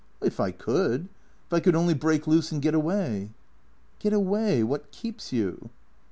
" If I could. If I could only break loose and get away." " Get away. What keeps you